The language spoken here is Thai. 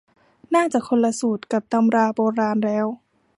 น่าจะคนละสูตรกับตำราโบราณแล้ว